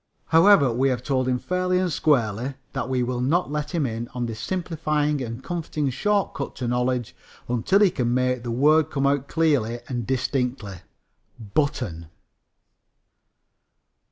However, we have told him fairly and squarely that we will not let him in on this simplifying and comforting short cut to knowledge until he can make the word come out clearly and distinctly "button."